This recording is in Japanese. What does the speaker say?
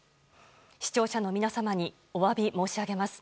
視聴者の皆様におわび申し上げます。